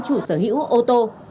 chủ sở hữu ô tô